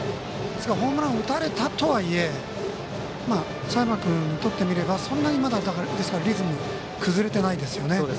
ホームラン打たれたとはいえ佐山君にとってみればそんなにリズム崩れてないですよね。